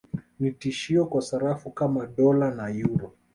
Ni tishio kwa sarafu kama Dola na Euro